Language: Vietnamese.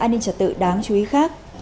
an ninh trật tự đáng chú ý khác